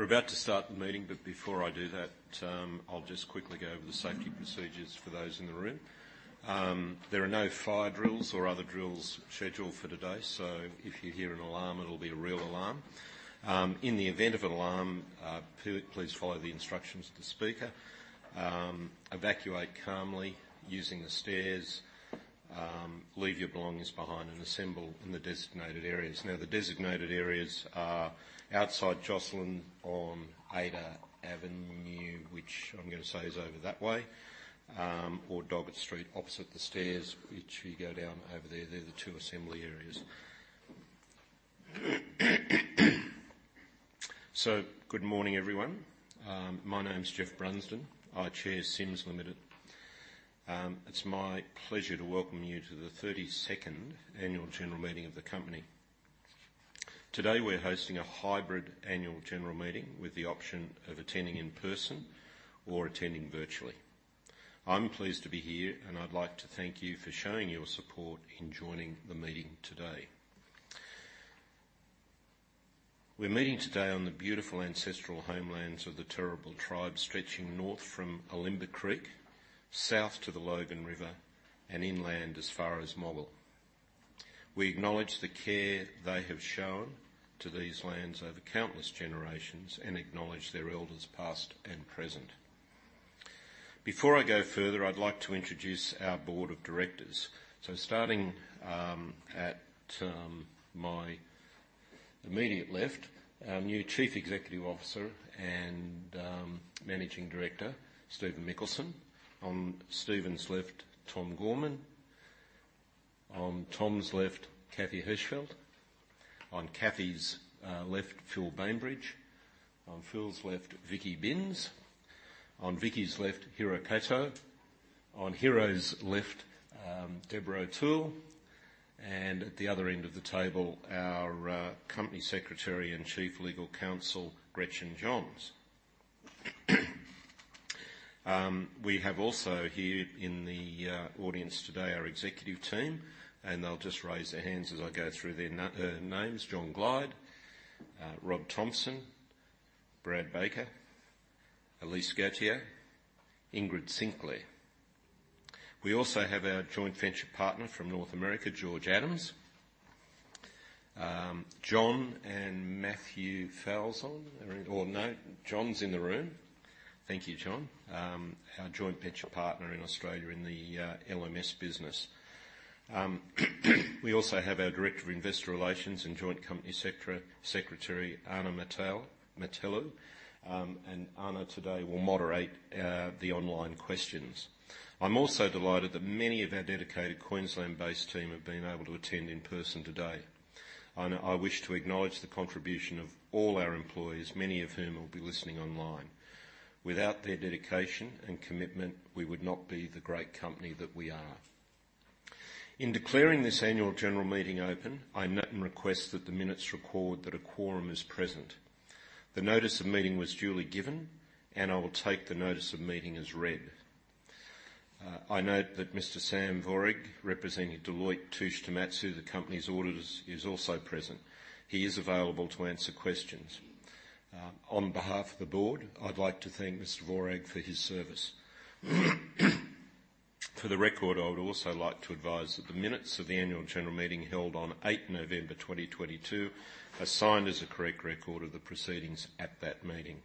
We're about to start the meeting, but before I do that, I'll just quickly go over the safety procedures for those in the room. There are no fire drills or other drills scheduled for today, so if you hear an alarm, it'll be a real alarm. In the event of an alarm, please follow the instructions of the speaker. Evacuate calmly using the stairs, leave your belongings behind and assemble in the designated areas. Now, the designated areas are outside Jocelyn on Ada Avenue, which I'm gonna say is over that way, or Doggett Street, opposite the stairs, which you go down over there. They're the two assembly areas. So good morning, everyone. My name is Geoff Brunsdon. I chair Sims Limited. It's my pleasure to welcome you to the 32nd annual general meeting of the company. Today, we're hosting a hybrid annual general meeting with the option of attending in person or attending virtually. I'm pleased to be here, and I'd like to thank you for showing your support in joining the meeting today. We're meeting today on the beautiful ancestral homelands of the Turrbal tribe, stretching north from Bulimba Creek, south to the Logan River, and inland as far as Moggill. We acknowledge the care they have shown to these lands over countless generations and acknowledge their elders, past and present. Before I go further, I'd like to introduce our board of directors. So starting at my immediate left, our new Chief Executive Officer and Managing Director, Stephen Mikkelsen. On Stephen's left, Tom Gorman. On Tom's left, Kathy Hirschfeld. On Kathy's left, Philip Bainbridge. On Philip's left, Vicky Binns. On Vicky's left, Hiro Kato. On Hiro's left, Deborah O'Toole, and at the other end of the table, our Company Secretary and Chief Legal Counsel, Gretchen Johanns. We have also here in the audience today our executive team, and they'll just raise their hands as I go through their names. John Glyde, Rob Thompson, Brad Baker, Elise Gautier, Ingrid Sinclair. We also have our joint venture partner from North America, George Adams. John and Matthew Falzon, or, no, John's in the room. Thank you, John. Our joint venture partner in Australia in the LMS business. We also have our Director of Investor Relations and Joint Company Secretary, Ana Metelo, and Ana today will moderate the online questions. I'm also delighted that many of our dedicated Queensland-based team have been able to attend in person today. I wish to acknowledge the contribution of all our employees, many of whom will be listening online. Without their dedication and commitment, we would not be the great company that we are. In declaring this annual general meeting open, I note and request that the minutes record that a quorum is present. The notice of meeting was duly given, and I will take the notice of meeting as read. I note that Mr. Sam Vorag, representing Deloitte Touche Tohmatsu, the company's auditors, is also present. He is available to answer questions. On behalf of the board, I'd like to thank Mr. Vorag for his service. For the record, I would also like to advise that the minutes of the annual general meeting, held on 8th November 2022, are signed as a correct record of the proceedings at that meeting.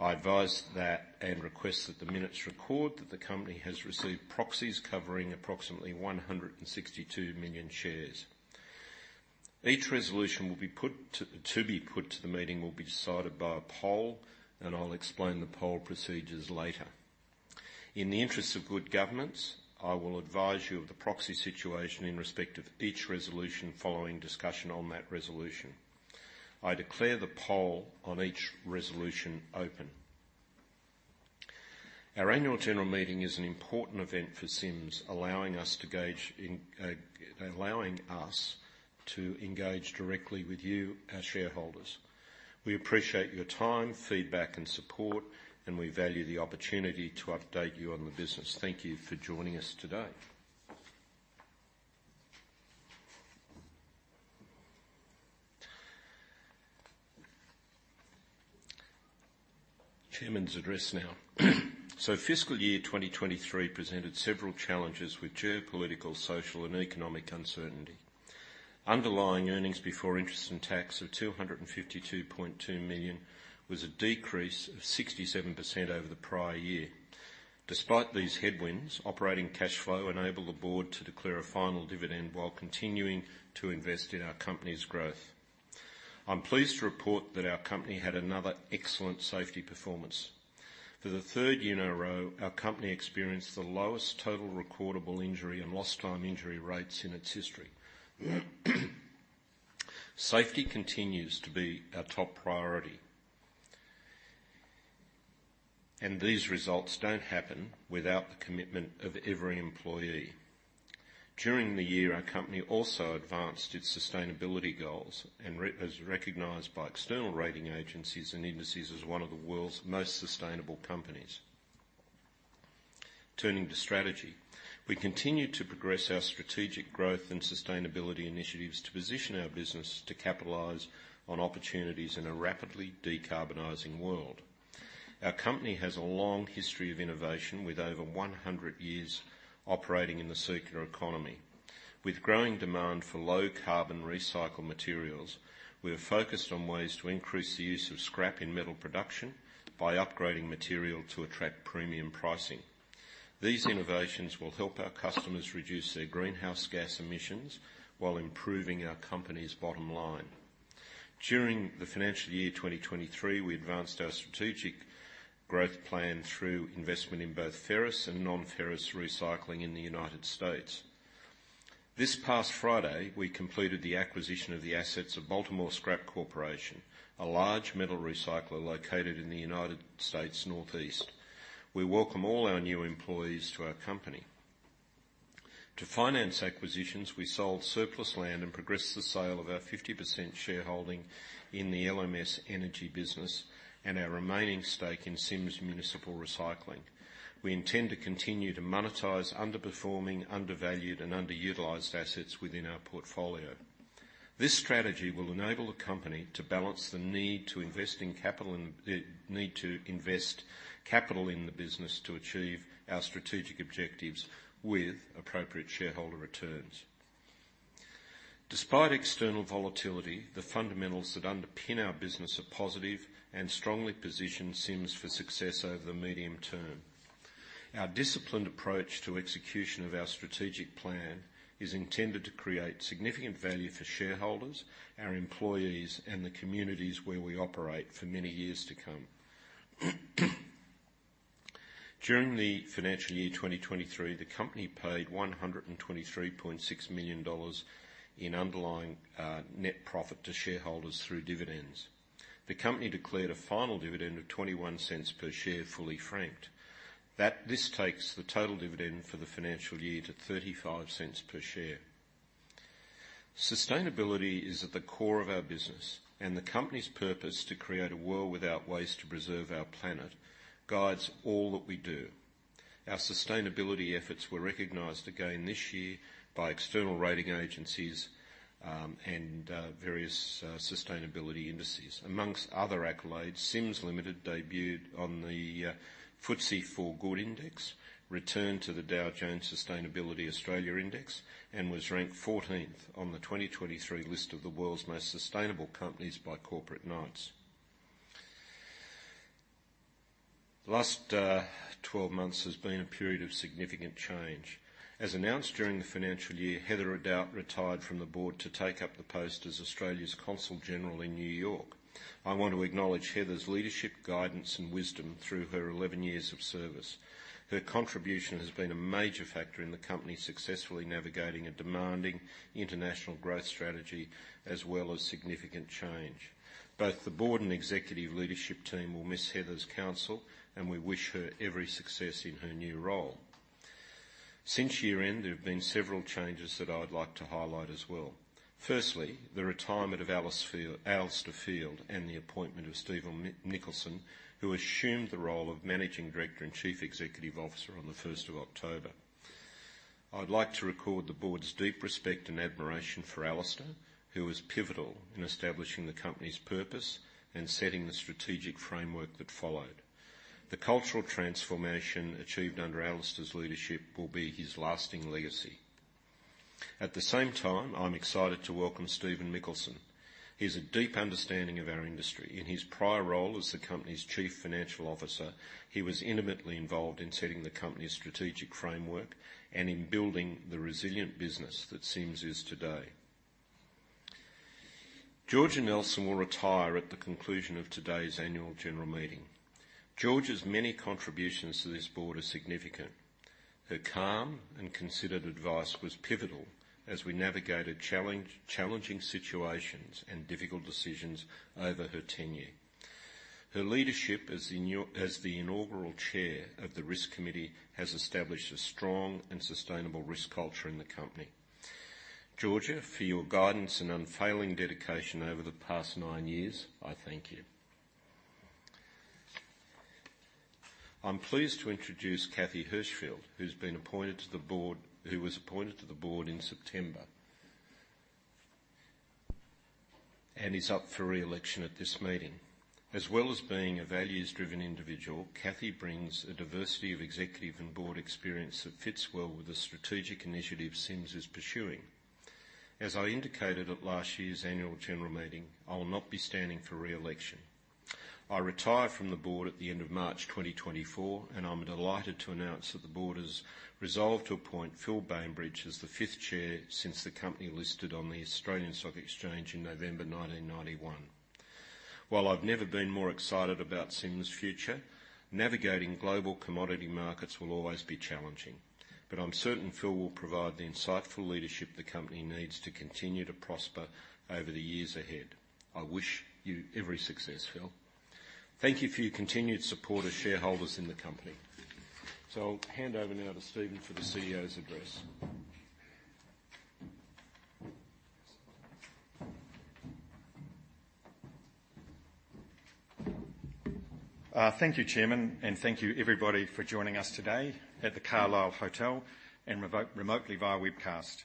I advise that and request that the minutes record that the company has received proxies covering approximately 162 million shares. Each resolution will be put to the meeting, will be decided by a poll, and I'll explain the poll procedures later. In the interest of good governance, I will advise you of the proxy situation in respect of each resolution following discussion on that resolution. I declare the poll on each resolution open. Our annual general meeting is an important event for Sims, allowing us to engage directly with you, our shareholders. We appreciate your time, feedback, and support, and we value the opportunity to update you on the business. Thank you for joining us today. Chairman's address now. So fiscal year 2023 presented several challenges with geopolitical, social, and economic uncertainty. Underlying earnings before interest and tax of AUD 252.2 million was a decrease of 67% over the prior year. Despite these headwinds, operating cash flow enabled the board to declare a final dividend while continuing to invest in our company's growth. I'm pleased to report that our company had another excellent safety performance. For the third year in a row, our company experienced the lowest total recordable injury and lost time injury rates in its history. Safety continues to be our top priority. These results don't happen without the commitment of every employee. During the year, our company also advanced its sustainability goals and is recognized by external rating agencies and indices as one of the world's most sustainable companies.... Turning to strategy, we continue to progress our strategic growth and sustainability initiatives to position our business to capitalize on opportunities in a rapidly decarbonizing world. Our company has a long history of innovation, with over 100 years operating in the circular economy. With growing demand for low-carbon recycled materials, we are focused on ways to increase the use of scrap in metal production by upgrading material to attract premium pricing. These innovations will help our customers reduce their greenhouse gas emissions while improving our company's bottom line. During the financial year 2023, we advanced our strategic growth plan through investment in both ferrous and non-ferrous recycling in the United States. This past Friday, we completed the acquisition of the assets of Baltimore Scrap Corporation, a large metal recycler located in the United States Northeast. We welcome all our new employees to our company. To finance acquisitions, we sold surplus land and progressed the sale of our 50% shareholding in the LMS Energy business and our remaining stake in Sims Municipal Recycling. We intend to continue to monetize underperforming, undervalued, and underutilized assets within our portfolio. This strategy will enable the company to balance the need to invest in capital and the need to invest capital in the business to achieve our strategic objectives with appropriate shareholder returns. Despite external volatility, the fundamentals that underpin our business are positive and strongly position Sims for success over the medium term. Our disciplined approach to execution of our strategic plan is intended to create significant value for shareholders, our employees, and the communities where we operate for many years to come. During the financial year 2023, the company paid 123.6 million dollars in underlying net profit to shareholders through dividends. The company declared a final dividend of 0.21 per share, fully franked. This takes the total dividend for the financial year to 0.35 per share. Sustainability is at the core of our business, and the company's purpose, to create a world without waste to preserve our planet, guides all that we do. Our sustainability efforts were recognized again this year by external rating agencies and various sustainability indices. Amongst other accolades, Sims Limited debuted on the FTSE4Good Index, returned to the Dow Jones Sustainability Australia Index, and was ranked 14th on the 2023 list of the World's Most Sustainable Companies by Corporate Knights. The last 12 months has been a period of significant change. As announced during the financial year, Heather Ridout retired from the board to take up the post as Australia's Consul General in New York. I want to acknowledge Heather's leadership, guidance, and wisdom through her 11 years of service. Her contribution has been a major factor in the company successfully navigating a demanding international growth strategy as well as significant change. Both the board and executive leadership team will miss Heather's counsel, and we wish her every success in her new role. Since year-end, there have been several changes that I'd like to highlight as well. Firstly, the retirement of Alistair Field, and the appointment of Stephen Mikkelsen, who assumed the role of Managing Director and Chief Executive Officer on the 1st of October. I'd like to record the board's deep respect and admiration for Alistair, who was pivotal in establishing the company's purpose and setting the strategic framework that followed. The cultural transformation achieved under Alistair's leadership will be his lasting legacy. At the same time, I'm excited to welcome Stephen Mikkelsen. He has a deep understanding of our industry. In his prior role as the company's Chief Financial Officer, he was intimately involved in setting the company's strategic framework and in building the resilient business that Sims is today. Georgia Nelson will retire at the conclusion of today's Annual General Meeting. Georgia's many contributions to this board are significant. Her calm and considered advice was pivotal as we navigated challenging situations and difficult decisions over her tenure. Her leadership as the inaugural Chair of the Risk Committee has established a strong and sustainable risk culture in the company. Georgia, for your guidance and unfailing dedication over the past nine years, I thank you. I'm pleased to introduce Kathy Hirschfeld, who was appointed to the board in September and is up for re-election at this meeting. As well as being a values-driven individual, Kathy brings a diversity of executive and board experience that fits well with the strategic initiatives Sims is pursuing. As I indicated at last year's Annual General Meeting, I will not be standing for re-election. I retire from the board at the end of March 2024, and I'm delighted to announce that the board has resolved to appoint Phil Bainbridge as the fifth chair since the company listed on the Australian Stock Exchange in November 1991. While I've never been more excited about Sims' future, navigating global commodity markets will always be challenging, but I'm certain Phil will provide the insightful leadership the company needs to continue to prosper over the years ahead. I wish you every success, Phil. Thank you for your continued support as shareholders in the company. So I'll hand over now to Stephen for the CEO's address.... thank you, Chairman, and thank you everybody for joining us today at The Calile Hotel and remotely via webcast.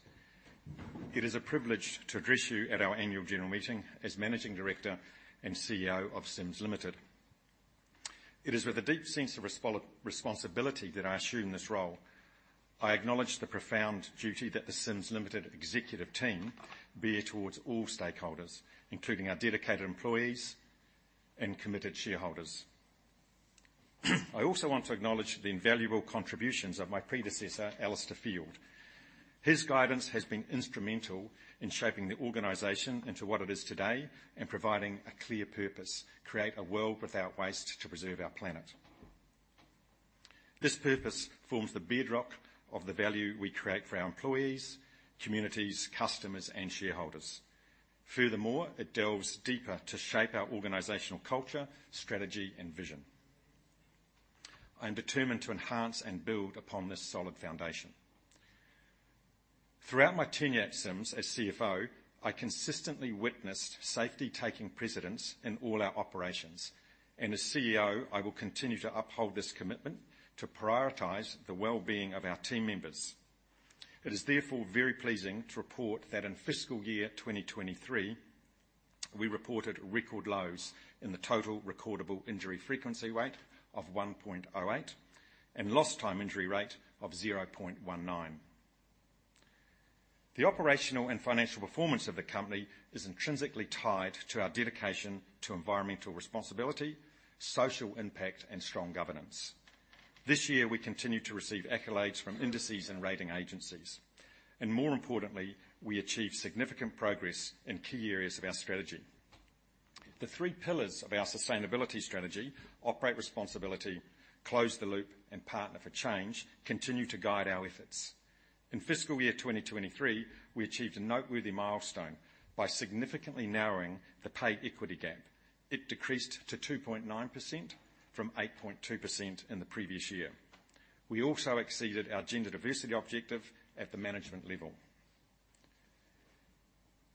It is a privilege to address you at our annual general meeting as Managing Director and CEO of Sims Limited. It is with a deep sense of responsibility that I assume this role. I acknowledge the profound duty that the Sims Limited Executive team bear towards all stakeholders, including our dedicated employees and committed shareholders. I also want to acknowledge the invaluable contributions of my predecessor, Alistair Field. His guidance has been instrumental in shaping the organization into what it is today and providing a clear purpose: create a world without waste to preserve our planet. This purpose forms the bedrock of the value we create for our employees, communities, customers, and shareholders. Furthermore, it delves deeper to shape our organizational culture, strategy, and vision. I am determined to enhance and build upon this solid foundation. Throughout my tenure at Sims as CFO, I consistently witnessed safety taking precedence in all our operations, and as CEO, I will continue to uphold this commitment to prioritize the well-being of our team members. It is therefore very pleasing to report that in fiscal year 2023, we reported record lows in the total recordable injury frequency rate of 1.08 and lost time injury rate of 0.19. The operational and financial performance of the company is intrinsically tied to our dedication to environmental responsibility, social impact, and strong governance. This year, we continued to receive accolades from indices and rating agencies, and more importantly, we achieved significant progress in key areas of our strategy. The three pillars of our sustainability strategy: operate responsibly, close the loop, and partner for change, continue to guide our efforts. In fiscal year 2023, we achieved a noteworthy milestone by significantly narrowing the pay equity gap. It decreased to 2.9% from 8.2% in the previous year. We also exceeded our gender diversity objective at the management level.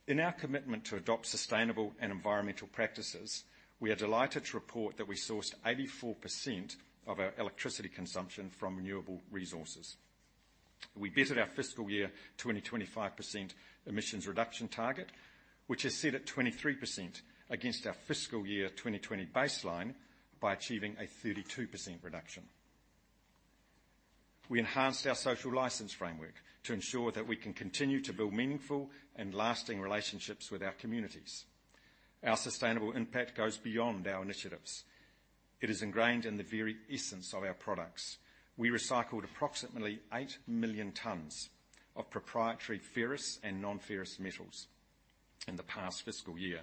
In our commitment to adopt sustainable and environmental practices, we are delighted to report that we sourced 84% of our electricity consumption from renewable resources. We beat our fiscal year 2025 23% emissions reduction target, which is set at 23% against our fiscal year 2020 baseline by achieving a 32% reduction. We enhanced our social license framework to ensure that we can continue to build meaningful and lasting relationships with our communities. Our sustainable impact goes beyond our initiatives. It is ingrained in the very essence of our products. We recycled approximately 8 million tons of proprietary ferrous and non-ferrous metals in the past fiscal year.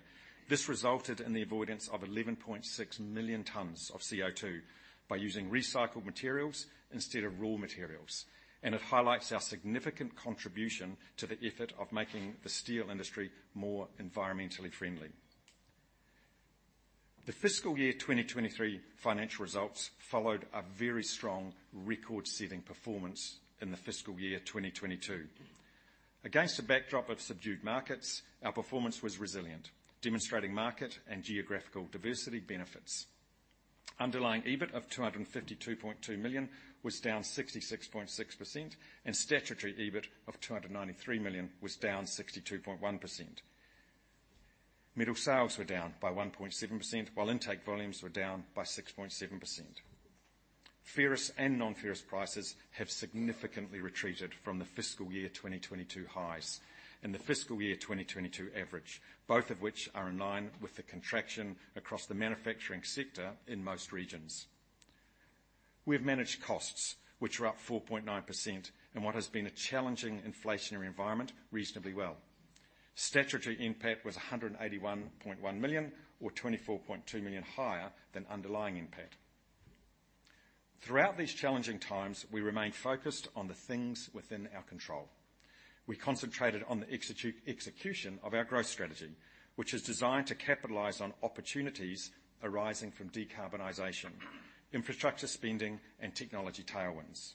This resulted in the avoidance of 11.6 million tons of CO2 by using recycled materials instead of raw materials, and it highlights our significant contribution to the effort of making the steel industry more environmentally friendly. The fiscal year 2023 financial results followed a very strong record-setting performance in the fiscal year 2022. Against a backdrop of subdued markets, our performance was resilient, demonstrating market and geographical diversity benefits. Underlying EBIT of 252.2 million was down 66.6%, and statutory EBIT of 293 million was down 62.1%. Metal sales were down by 1.7%, while intake volumes were down by 6.7%. Ferrous and non-ferrous prices have significantly retreated from the fiscal year 2022 highs and the fiscal year 2022 average, both of which are in line with the contraction across the manufacturing sector in most regions. We've managed costs, which are up 4.9% in what has been a challenging inflationary environment, reasonably well. Statutory NPAT was 181.1 million or 24.2 million higher than underlying NPAT. Throughout these challenging times, we remained focused on the things within our control. We concentrated on the execution of our growth strategy, which is designed to capitalize on opportunities arising from decarbonization, infrastructure spending, and technology tailwinds.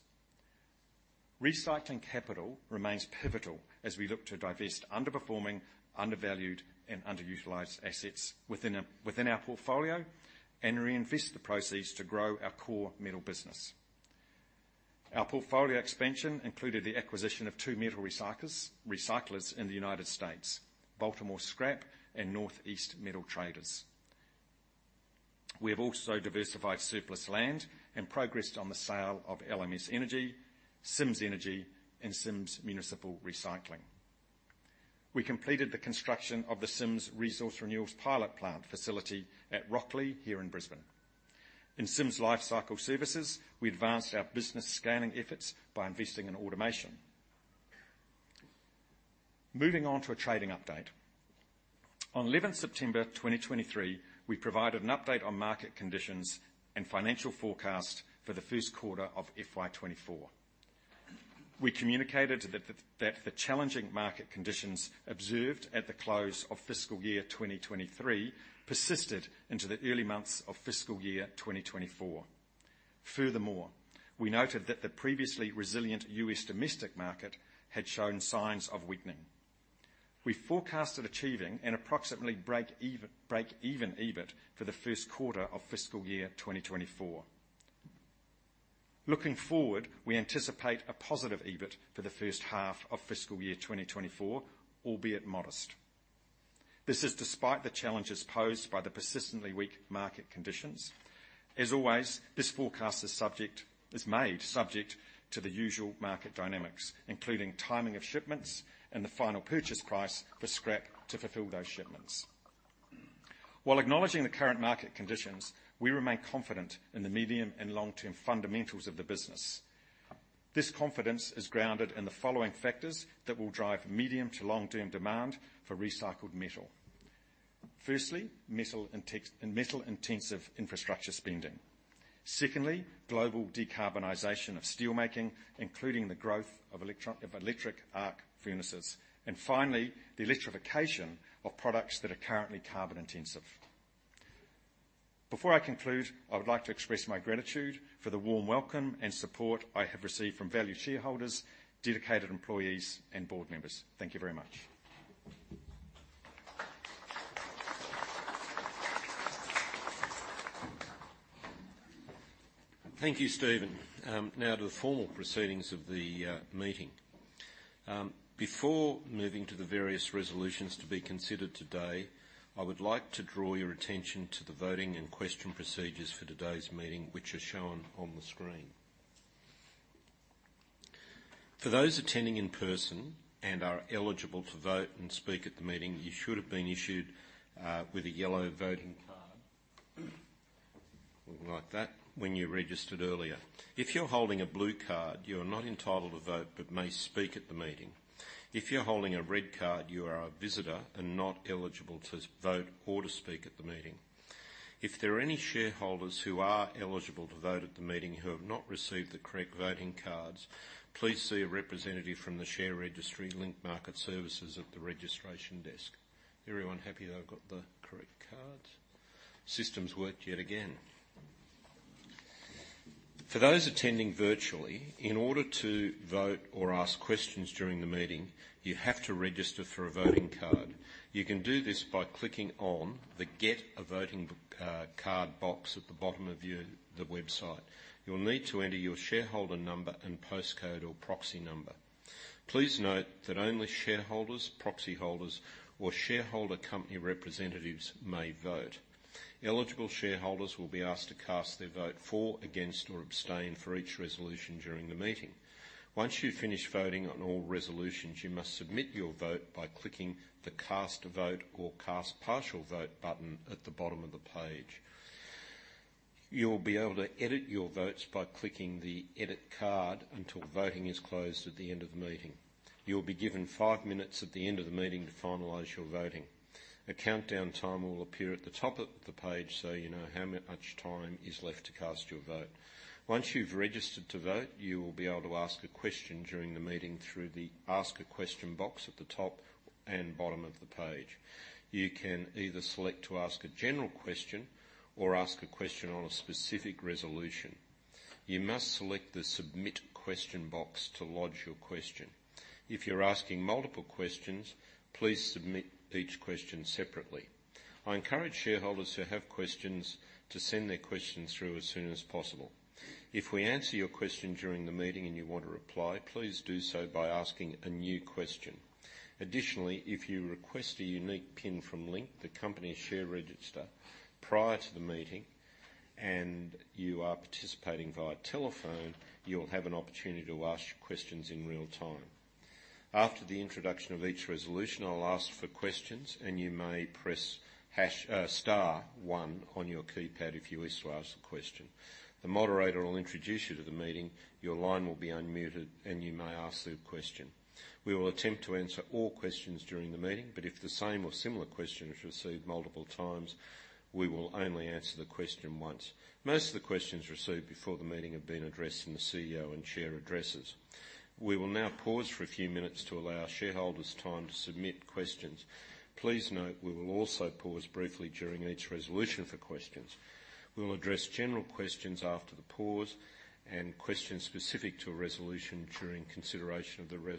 Recycling capital remains pivotal as we look to divest underperforming, undervalued, and underutilized assets within our portfolio and reinvest the proceeds to grow our core metal business. Our portfolio expansion included the acquisition of two metal recyclers in the United States, Baltimore Scrap and Northeast Metal Traders. We have also diversified surplus land and progressed on the sale of LMS Energy, Sims Energy, and Sims Municipal Recycling. We completed the construction of the Sims Resource Renewals pilot plant facility at Rocklea, here in Brisbane. In Sims Lifecycle Services, we advanced our business scanning efforts by investing in automation. Moving on to a trading update. On 11th September 2023, we provided an update on market conditions and financial forecast for the first quarter of FY 2024. We communicated that the challenging market conditions observed at the close of fiscal year 2023 persisted into the early months of fiscal year 2024. Furthermore, we noted that the previously resilient U.S. domestic market had shown signs of weakening. We forecasted achieving an approximately break even, break-even EBIT for the first quarter of fiscal year 2024. Looking forward, we anticipate a positive EBIT for the first half of fiscal year 2024, albeit modest. This is despite the challenges posed by the persistently weak market conditions. As always, this forecast is made subject to the usual market dynamics, including timing of shipments and the final purchase price for scrap to fulfill those shipments. While acknowledging the current market conditions, we remain confident in the medium and long-term fundamentals of the business. This confidence is grounded in the following factors that will drive medium to long-term demand for recycled metal. Firstly, metal-intensive infrastructure spending. Secondly, global decarbonization of steelmaking, including the growth of electric arc furnaces. And finally, the electrification of products that are currently carbon-intensive. Before I conclude, I would like to express my gratitude for the warm welcome and support I have received from valued shareholders, dedicated employees, and board members. Thank you very much. Thank you, Stephen. Now to the formal proceedings of the meeting. Before moving to the various resolutions to be considered today, I would like to draw your attention to the voting and question procedures for today's meeting, which are shown on the screen. For those attending in person and are eligible to vote and speak at the meeting, you should have been issued with a yellow voting card, looking like that, when you registered earlier. If you're holding a blue card, you are not entitled to vote, but may speak at the meeting. If you're holding a red card, you are a visitor and not eligible to vote or to speak at the meeting. If there are any shareholders who are eligible to vote at the meeting who have not received the correct voting cards, please see a representative from the share registry, Link Market Services, at the registration desk. Everyone happy they've got the correct cards? Systems worked yet again. For those attending virtually, in order to vote or ask questions during the meeting, you have to register for a voting card. You can do this by clicking on the Get a Voting Card box at the bottom of the website. You'll need to enter your shareholder number and postcode or proxy number. Please note that only shareholders, proxy holders, or shareholder company representatives may vote. Eligible shareholders will be asked to cast their vote for, against, or abstain for each resolution during the meeting. Once you've finished voting on all resolutions, you must submit your vote by clicking the Cast a Vote or Cast Partial Vote button at the bottom of the page. You'll be able to edit your votes by clicking the Edit Card until voting is closed at the end of the meeting. You'll be given five minutes at the end of the meeting to finalize your voting. A countdown timer will appear at the top of the page, so you know how much time is left to cast your vote. Once you've registered to vote, you will be able to ask a question during the meeting through the Ask a Question box at the top and bottom of the page. You can either select to ask a general question or ask a question on a specific resolution. You must select the Submit Question box to lodge your question. If you're asking multiple questions, please submit each question separately. I encourage shareholders who have questions to send their questions through as soon as possible. If we answer your question during the meeting and you want to reply, please do so by asking a new question. Additionally, if you request a unique PIN from Link, the company share register, prior to the meeting, and you are participating via telephone, you'll have an opportunity to ask questions in real time. After the introduction of each resolution, I'll ask for questions, and you may press hash, star one on your keypad if you wish to ask a question. The moderator will introduce you to the meeting, your line will be unmuted, and you may ask the question. We will attempt to answer all questions during the meeting, but if the same or similar question is received multiple times, we will only answer the question once. Most of the questions received before the meeting have been addressed in the CEO and chair addresses. We will now pause for a few minutes to allow shareholders time to submit questions. Please note, we will also pause briefly during each resolution for questions. We will address general questions after the pause, and questions specific to a resolution during consideration of the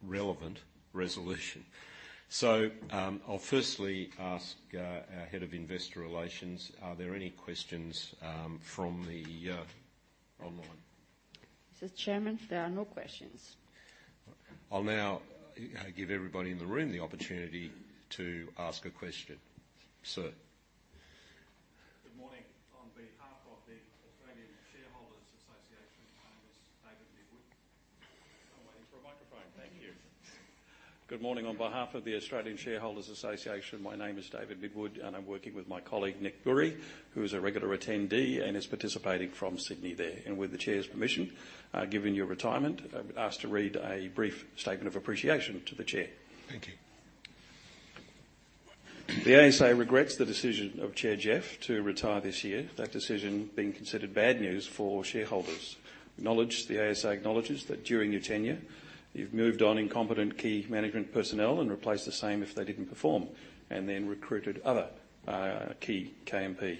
relevant resolution. So, I'll firstly ask our head of investor relations, are there any questions from the online? Mr. Chairman, there are no questions. I'll now give everybody in the room the opportunity to ask a question. Sir? Good morning. On behalf of the Australian Shareholders Association, my name is David Midwood. I'm waiting for a microphone. Thank you. Good morning. On behalf of the Australian Shareholders Association, my name is David Midwood, and I'm working with my colleague, Nick Bury, who is a regular attendee and is participating from Sydney there. With the chair's permission, given your retirement, I'd ask to read a brief statement of appreciation to the chair. Thank you. The ASA regrets the decision of Chair Geoff to retire this year. That decision being considered bad news for shareholders. The ASA acknowledges that during your tenure, you've moved on incompetent key management personnel and replaced the same if they didn't perform, and then recruited other key KMP.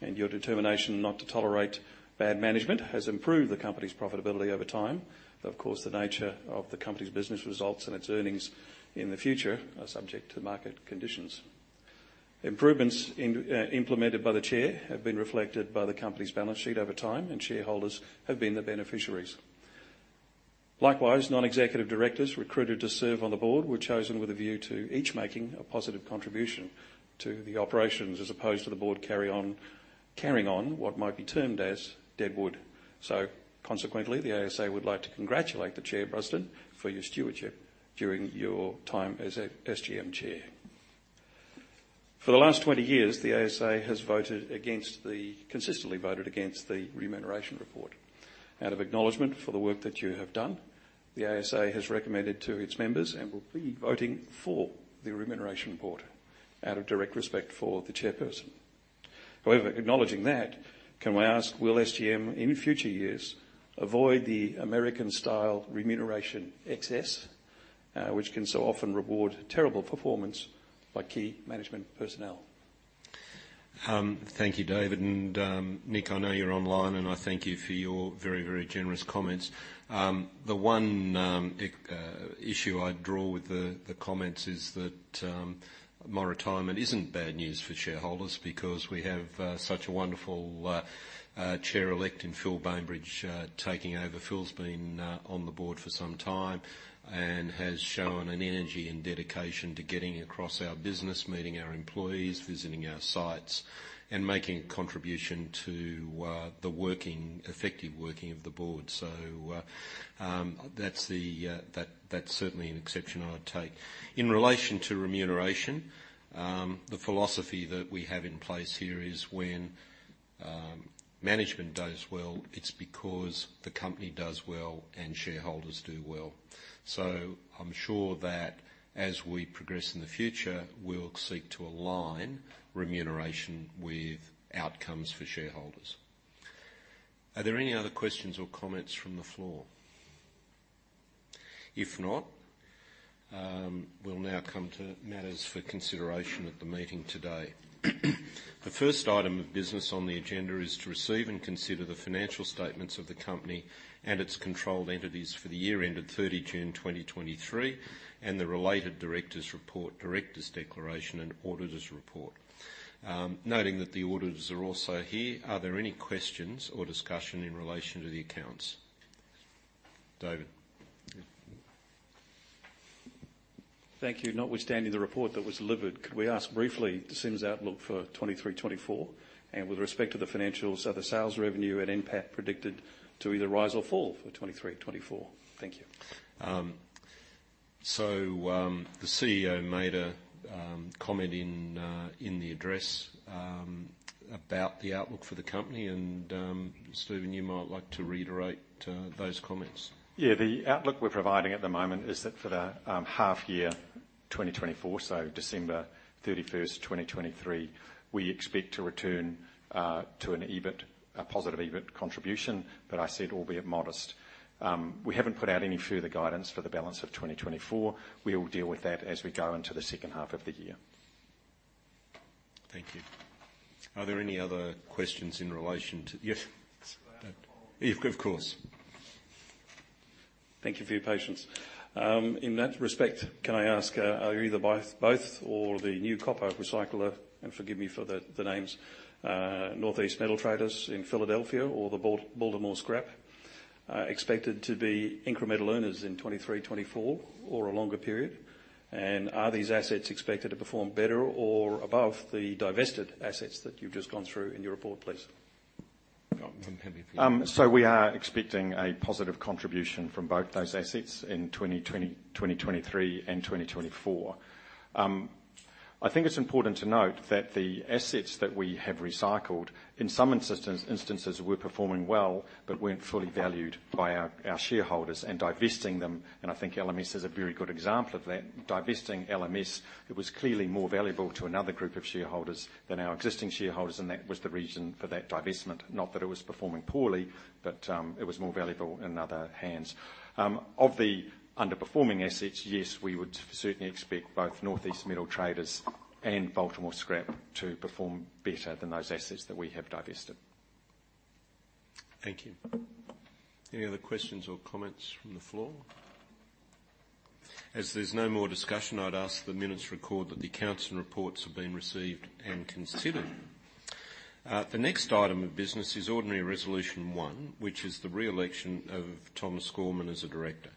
Your determination not to tolerate bad management has improved the company's profitability over time. Of course, the nature of the company's business results and its earnings in the future are subject to market conditions.... improvements in implemented by the Chair have been reflected by the company's balance sheet over time, and shareholders have been the beneficiaries. Likewise, non-executive directors recruited to serve on the board were chosen with a view to each making a positive contribution to the operations, as opposed to the board carrying on what might be termed as deadwood. So consequently, the ASA would like to congratulate the Chair, Brunsdon, for your stewardship during your time as a SGM Chair. For the last 20 years, the ASA has consistently voted against the remuneration report. Out of acknowledgment for the work that you have done, the ASA has recommended to its members, and will be voting for the remuneration report out of direct respect for the Chairperson. However, acknowledging that, can we ask, will SGM, in future years, avoid the American-style remuneration excess, which can so often reward terrible performance by key management personnel? Thank you, David. And Nick, I know you're online, and I thank you for your very, very generous comments. The one issue I'd draw with the comments is that my retirement isn't bad news for shareholders because we have such a wonderful Chair-elect in Phil Bainbridge taking over. Phil's been on the board for some time and has shown an energy and dedication to getting across our business, meeting our employees, visiting our sites, and making a contribution to the working, effective working of the board. So, that's the... That's certainly an exception I'd take. In relation to remuneration, the philosophy that we have in place here is when management does well, it's because the company does well and shareholders do well. So I'm sure that as we progress in the future, we'll seek to align remuneration with outcomes for shareholders. Are there any other questions or comments from the floor? If not, we'll now come to matters for consideration at the meeting today. The first item of business on the agenda is to receive and consider the financial statements of the company and its controlled entities for the year ended 30 June 2023, and the related directors' report, directors' declaration, and auditors' report. Noting that the auditors are also here, are there any questions or discussion in relation to the accounts? David. Thank you. Notwithstanding the report that was delivered, could we ask briefly the Sims outlook for 2023, 2024? With respect to the financials, are the sales revenue and NPAT predicted to either rise or fall for 2023, 2024? Thank you. So, the CEO made a comment in the address about the outlook for the company, and Stephen, you might like to reiterate those comments. Yeah. The outlook we're providing at the moment is that for the half year 2024, so December 31st, 2023, we expect to return to an EBIT, a positive EBIT contribution, but I said, albeit modest. We haven't put out any further guidance for the balance of 2024. We will deal with that as we go into the second half of the year. Thank you. Are there any other questions in relation to... Yes? Can I ask follow-up? Yeah, of course. Thank you for your patience. In that respect, can I ask, are either both, both or the new copper recycler, and forgive me for the names, Northeast Metal Traders in Philadelphia or the Baltimore Scrap, expected to be incremental earners in 2023, 2024 or a longer period? Are these assets expected to perform better or above the divested assets that you've just gone through in your report, please? Happy for you. So we are expecting a positive contribution from both those assets in 2020, 2023 and 2024. I think it's important to note that the assets that we have recycled, in some instances, were performing well but weren't fully valued by our shareholders. And divesting them, and I think LMS is a very good example of that, divesting LMS, it was clearly more valuable to another group of shareholders than our existing shareholders, and that was the reason for that divestment. Not that it was performing poorly, but it was more valuable in other hands. Of the underperforming assets, yes, we would certainly expect both Northeast Metal Traders and Baltimore Scrap to perform better than those assets that we have divested. Thank you. Any other questions or comments from the floor? As there's no more discussion, I'd ask the minutes record that the accounts and reports have been received and considered. The next item of business is ordinary resolution one, which is the re-election of Thomas Gorman as a director.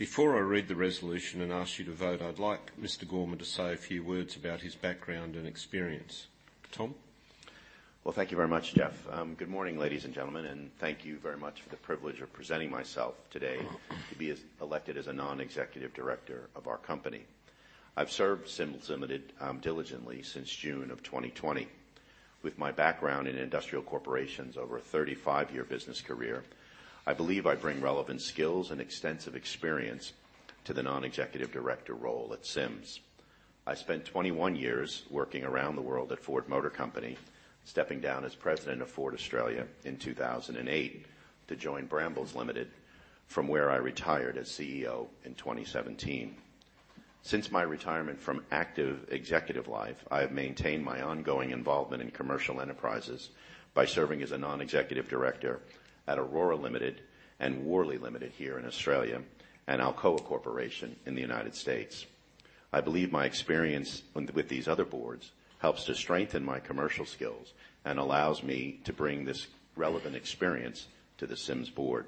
Before I read the resolution and ask you to vote, I'd like Mr. Gorman to say a few words about his background and experience. Tom? Well, thank you very much, Jeff. Good morning, ladies and gentlemen, and thank you very much for the privilege of presenting myself today to be elected as a non-executive director of our company. I've served Sims Limited diligently since June of 2020. With my background in industrial corporations over a 35-year business career, I believe I bring relevant skills and extensive experience to the non-executive director role at Sims. I spent 21 years working around the world at Ford Motor Company, stepping down as President of Ford Australia in 2008 to join Brambles Limited, from where I retired as CEO in 2017. Since my retirement from active executive life, I have maintained my ongoing involvement in commercial enterprises by serving as a non-executive director at Orora Limited and Worley Limited here in Australia, and Alcoa Corporation in the United States. I believe my experience with these other boards helps to strengthen my commercial skills and allows me to bring this relevant experience to the Sims board.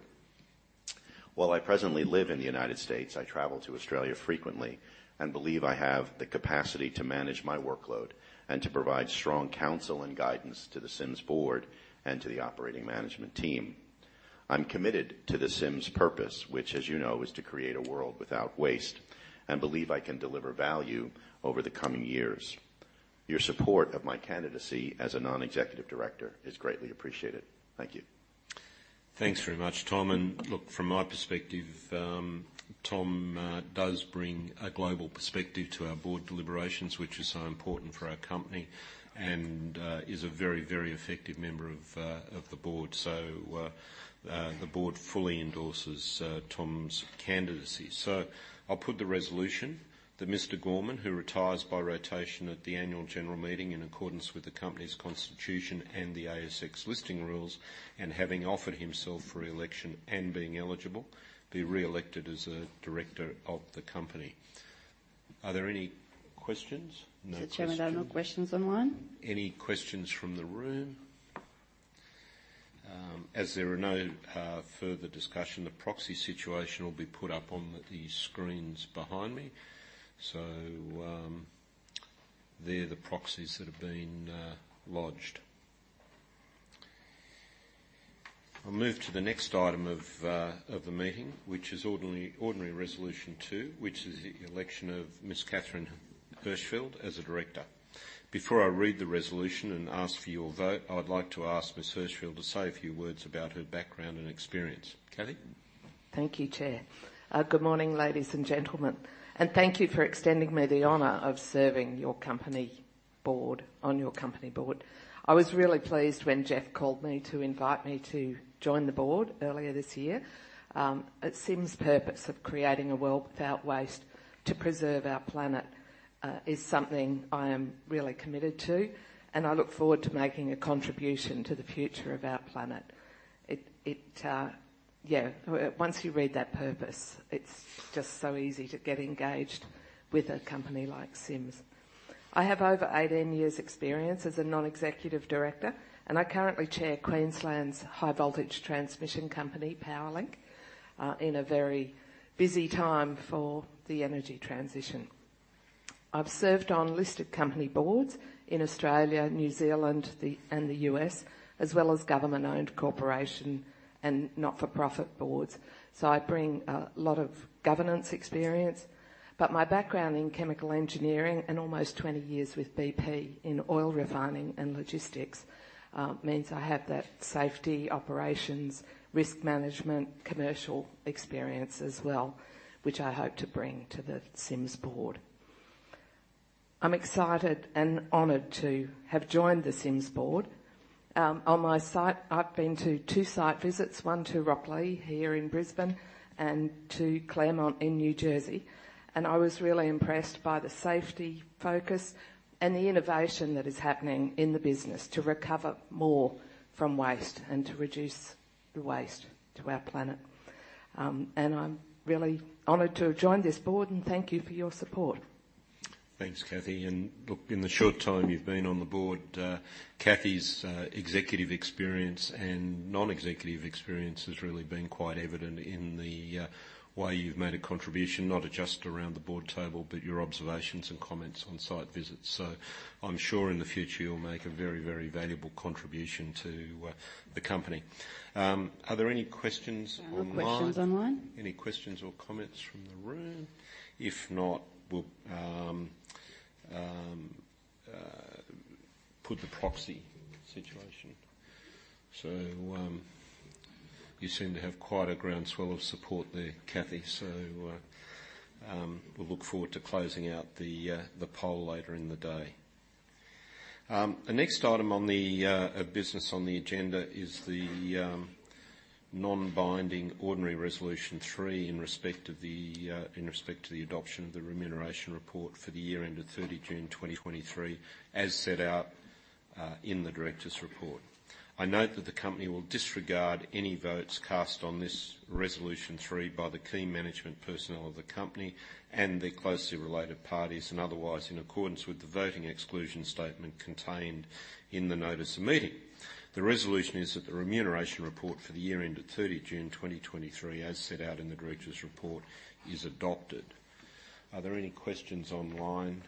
While I presently live in the United States, I travel to Australia frequently and believe I have the capacity to manage my workload and to provide strong counsel and guidance to the Sims board and to the operating management team. I'm committed to the Sims purpose, which, as you know, is to create a world without waste, and believe I can deliver value over the coming years. Your support of my candidacy as a non-executive director is greatly appreciated. Thank you. Thanks very much, Tom. And look, from my perspective, Tom, does bring a global perspective to our board deliberations, which is so important for our company, and, is a very, very effective member of, of the board. So, the board fully endorses, Tom's candidacy. So I'll put the resolution that Mr. Gorman, who retires by rotation at the annual general meeting, in accordance with the company's constitution and the ASX listing rules, and having offered himself for re-election and being eligible, be re-elected as a director of the company. Are there any questions? No questions. Mr. Chairman, there are no questions online. Any questions from the room? As there are no further discussion, the proxy situation will be put up on the screens behind me. So, there are the proxies that have been lodged. I'll move to the next item of the meeting, which is ordinary resolution two, which is the election of Ms. Katherine Hirschfeld as a director. Before I read the resolution and ask for your vote, I would like to ask Ms. Hirschfeld to say a few words about her background and experience. Kathy? Thank you, Chair. Good morning, ladies and gentlemen, and thank you for extending me the honor of serving your company board, on your company board. I was really pleased when Jeff called me to invite me to join the board earlier this year. At Sims' purpose of creating a world without waste to preserve our planet is something I am really committed to, and I look forward to making a contribution to the future of our planet. Yeah, once you read that purpose, it's just so easy to get engaged with a company like Sims. I have over 18 years' experience as a non-executive director, and I currently chair Queensland's high-voltage transmission company, Powerlink, in a very busy time for the energy transition. I've served on listed company boards in Australia, New Zealand, and the U.S., as well as government-owned corporation and not-for-profit boards. So I bring a lot of governance experience, but my background in chemical engineering and almost 20 years with BP in oil refining and logistics means I have that safety, operations, risk management, commercial experience as well, which I hope to bring to the Sims board. I'm excited and honored to have joined the Sims board. On my side, I've been to two site visits, one to Rocklea here in Brisbane and to Claremont in New Jersey, and I was really impressed by the safety focus and the innovation that is happening in the business to recover more from waste and to reduce the waste to our planet. And I'm really honored to have joined this board, and thank you for your support. Thanks, Kathy. And look, in the short time you've been on the board, Kathy's executive experience and non-executive experience has really been quite evident in the way you've made a contribution, not just around the board table, but your observations and comments on site visits. So I'm sure in the future, you'll make a very, very valuable contribution to the company. Are there any questions online? No questions online. Any questions or comments from the room? If not, we'll put the proxy situation. So, you seem to have quite a groundswell of support there, Kathy, so, we'll look forward to closing out the poll later in the day. The next item on the business on the agenda is the non-binding ordinary resolution 3, in respect of the in respect to the adoption of the remuneration report for the year ended 30 June 2023, as set out in the directors' report. I note that the company will disregard any votes cast on this Resolution 3 by the key management personnel of the company and their closely related parties, and otherwise, in accordance with the voting exclusion statement contained in the notice of meeting. The resolution is that the remuneration report for the year ended 30 June 2023, as set out in the directors' report, is adopted. Are there any questions online?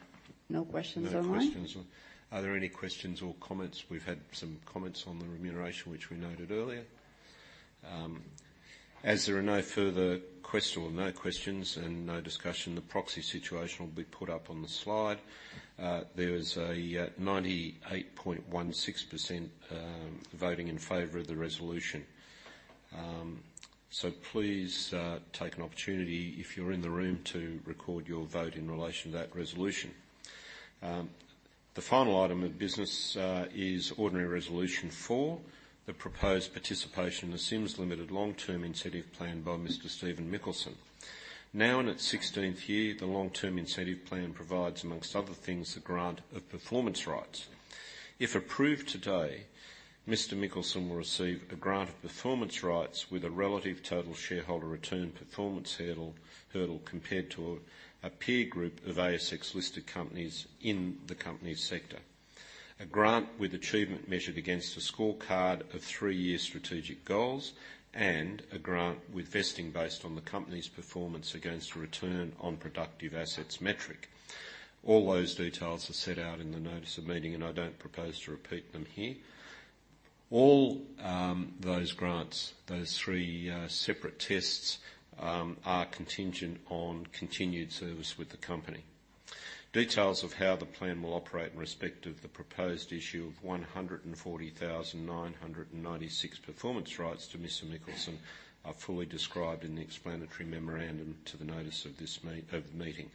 No questions online. No questions. Are there any questions or comments? We've had some comments on the remuneration, which we noted earlier. As there are no further questions and no discussion, the proxy situation will be put up on the slide. There is a 98.16% voting in favor of the resolution. So please take an opportunity, if you're in the room, to record your vote in relation to that resolution. The final item of business is ordinary Resolution four, the proposed participation in the Sims Limited Long Term Incentive Plan by Mr. Stephen Mikkelsen. Now, in its 16th year, the Long Term Incentive Plan provides, among other things, the grant of performance rights. If approved today, Mr. Mikkelsen will receive a grant of performance rights with a relative total shareholder return performance hurdle compared to a peer group of ASX listed companies in the company's sector. A grant with achievement measured against a scorecard of three-year strategic goals, and a grant with vesting based on the company's performance against a return on productive assets metric. All those details are set out in the notice of meeting, and I don't propose to repeat them here. All, those grants, those three, separate tests, are contingent on continued service with the company. Details of how the plan will operate in respect of the proposed issue of 140,996 performance rights to Mr. Mikkelsen, are fully described in the explanatory memorandum to the notice of the meeting.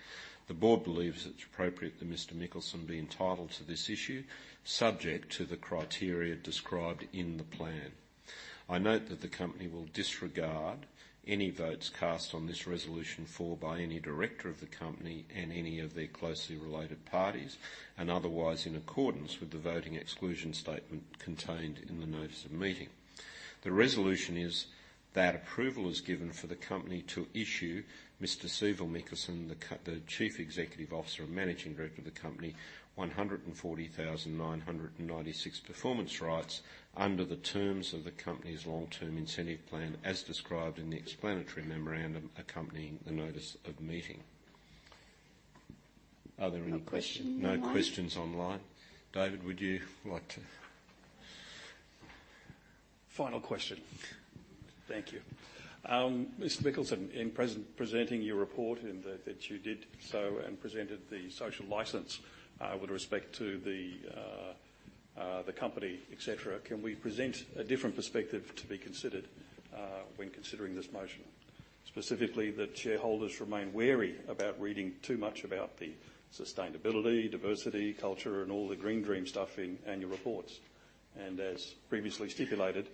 The board believes it's appropriate that Mr. Mikkelsen be entitled to this issue, subject to the criteria described in the plan. I note that the company will disregard any votes cast on this resolution for by any director of the company and any of their closely related parties, and otherwise, in accordance with the voting exclusion statement contained in the notice of meeting. The resolution is that approval is given for the company to issue Mr. Stephen Mikkelsen, the Chief Executive Officer and Managing Director of the company, 140,996 performance rights under the terms of the company's Long Term Incentive Plan, as described in the explanatory memorandum accompanying the notice of meeting. Are there any- No questions online? No questions online. David, would you like to...? Final question. Thank you. Mr. Mikkelsen, in presenting your report, and that you did so and presented the social license with respect to the company, et cetera. Can we present a different perspective to be considered when considering this motion? Specifically, that shareholders remain wary about reading too much about the sustainability, diversity, culture, and all the green dream stuff in annual reports. And as previously stipulated,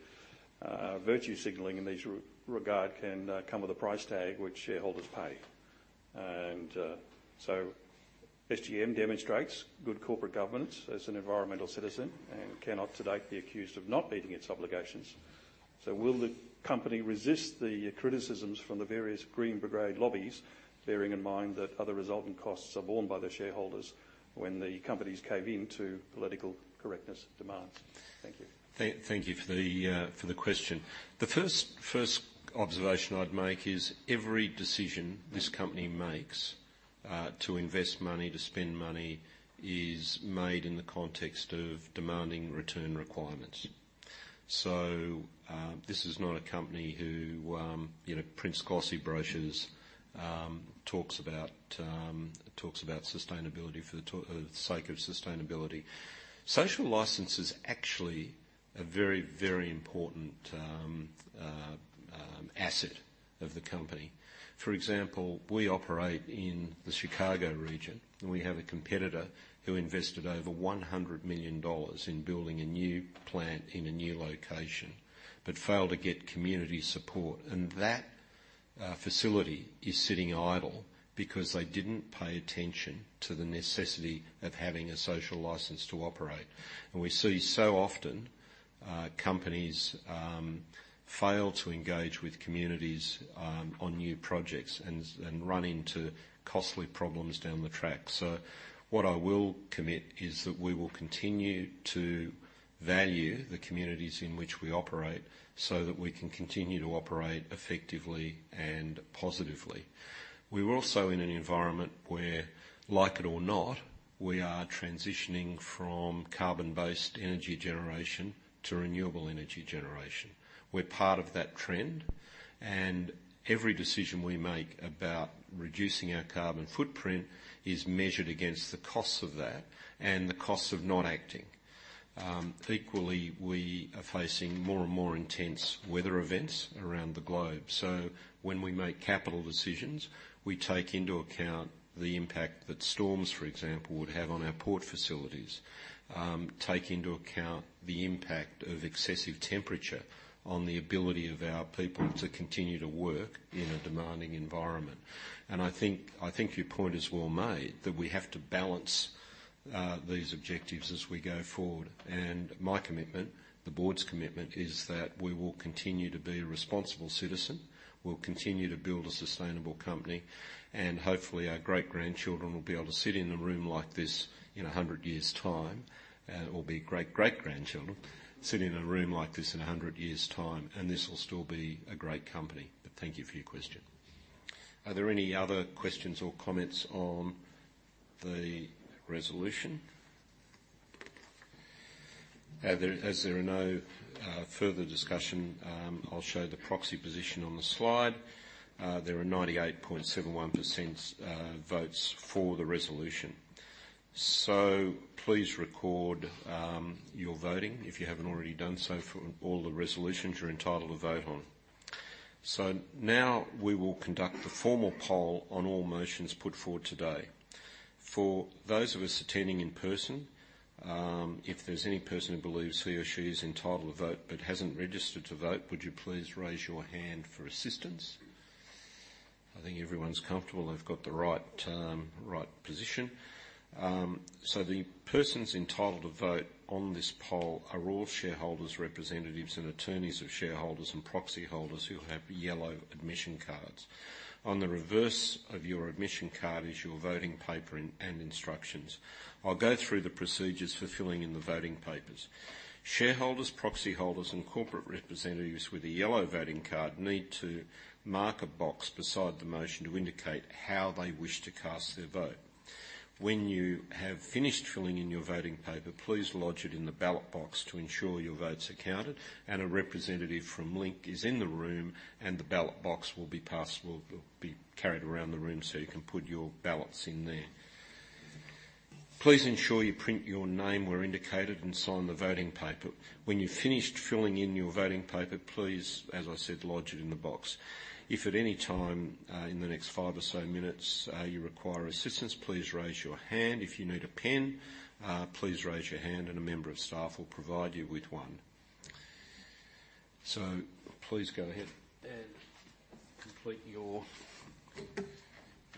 virtue signaling in these regards can come with a price tag which shareholders pay. And so SGM demonstrates good corporate governance as an environmental citizen, and cannot to date be accused of not meeting its obligations. So will the company resist the criticisms from the various green brigade lobbies, bearing in mind that other resultant costs are borne by the shareholders when the companies cave in to political correctness demands? Thank you. Thank you for the question. The first observation I'd make is every decision this company makes to invest money, to spend money, is made in the context of demanding return requirements. So this is not a company who prints glossy brochures, talks about sustainability for the sake of sustainability. Social license is actually a very, very important asset of the company. For example, we operate in the Chicago region, and we have a competitor who invested over $100 million in building a new plant in a new location, but failed to get community support. And that facility is sitting idle because they didn't pay attention to the necessity of having a social license to operate. We see so often companies fail to engage with communities on new projects and run into costly problems down the track. So what I will commit is that we will continue to value the communities in which we operate so that we can continue to operate effectively and positively. We're also in an environment where, like it or not, we are transitioning from carbon-based energy generation to renewable energy generation. We're part of that trend, and every decision we make about reducing our carbon footprint is measured against the costs of that and the costs of not acting. Equally, we are facing more and more intense weather events around the globe. So when we make capital decisions, we take into account the impact that storms, for example, would have on our port facilities. Take into account the impact of excessive temperature on the ability of our people to continue to work in a demanding environment. And I think, I think your point is well made, that we have to balance these objectives as we go forward. And my commitment, the board's commitment, is that we will continue to be a responsible citizen. We'll continue to build a sustainable company. And hopefully, our great-grandchildren will be able to sit in a room like this in 100 years' time, or be great-great-grandchildren, sit in a room like this in 100 years' time, and this will still be a great company. But thank you for your question. Are there any other questions or comments on the resolution? As there are no further discussion, I'll show the proxy position on the slide. There are 98.71% votes for the resolution. So please record your voting if you haven't already done so for all the resolutions you're entitled to vote on.... So now we will conduct the formal poll on all motions put forward today. For those of us attending in person, if there's any person who believes he or she is entitled to vote but hasn't registered to vote, would you please raise your hand for assistance? I think everyone's comfortable they've got the right, right position. So the persons entitled to vote on this poll are all shareholders, representatives, and attorneys of shareholders and proxy holders who have yellow admission cards. On the reverse of your admission card is your voting paper and instructions. I'll go through the procedures for filling in the voting papers. Shareholders, proxy holders, and corporate representatives with a yellow voting card need to mark a box beside the motion to indicate how they wish to cast their vote. When you have finished filling in your voting paper, please lodge it in the ballot box to ensure your vote's are counted, and a representative from Link is in the room, and the ballot box will be passed, will be carried around the room so you can put your ballots in there. Please ensure you print your name where indicated and sign the voting paper. When you've finished filling in your voting paper, please, as I said, lodge it in the box. If at any time in the next five or so minutes you require assistance, please raise your hand. If you need a pen, please raise your hand and a member of staff will provide you with one. So please go ahead and complete your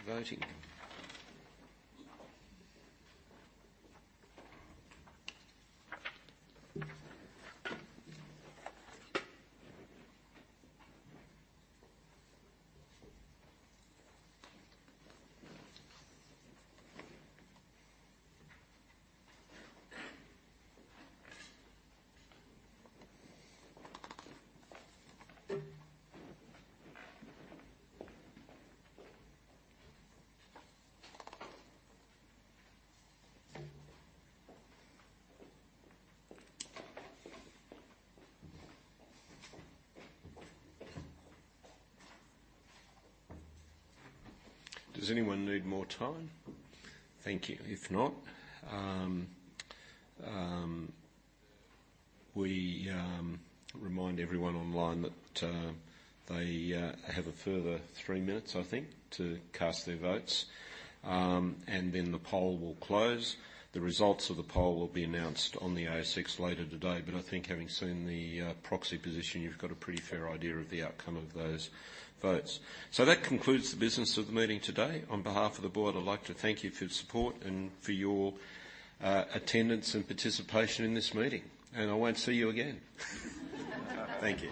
voting. Does anyone need more time? Thank you. If not, we remind everyone online that they have a further three minutes, I think, to cast their votes, and then the poll will close. The results of the poll will be announced on the ASX later today, but I think having seen the proxy position, you've got a pretty fair idea of the outcome of those votes. So that concludes the business of the meeting today. On behalf of the board, I'd like to thank you for your support and for your attendance and participation in this meeting. And I won't see you again. Thank you.